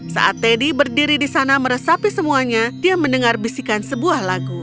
saat teddy berdiri di sana meresapi semuanya dia mendengar bisikan sebuah lagu